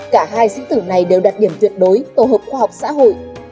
cả hai sĩ tử này đều đạt điểm tuyệt đối tổ hợp khoa học xã hội